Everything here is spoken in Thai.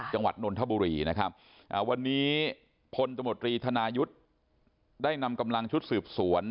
นนทบุรีนะครับวันนี้พลตมตรีธนายุทธ์ได้นำกำลังชุดสืบสวน